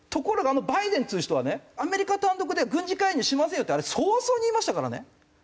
あのバイデンっていう人はねアメリカ単独では軍事介入しませんよってあれ早々に言いましたからね。